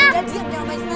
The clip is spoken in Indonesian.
jangan diam mbak isna